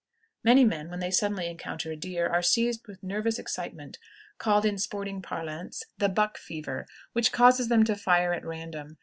Many men, when they suddenly encounter a deer, are seized with nervous excitement, called in sporting parlance the "buck fever," which causes them to fire at random.